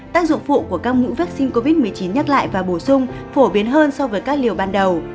tác dụng phụ của các nữ vaccine covid một mươi chín nhắc lại và bổ sung phổ biến hơn so với các liều ban đầu